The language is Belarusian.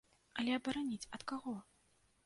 Але абараніць ад каго?